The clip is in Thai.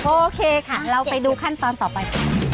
โอเคค่ะเราไปดูขั้นตอนต่อไป